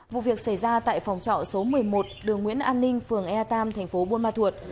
vụ việc xảy ra tại phòng trọ số một mươi một đường nguyễn an ninh phường e tam thành phố buôn ma thuột